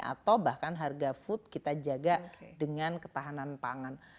atau bahkan harga food kita jaga dengan ketahanan pangan